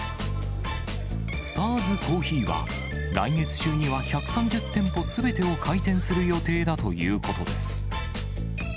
スターズコーヒーは、来月中には１３０店舗すべてを開店する予定だということです。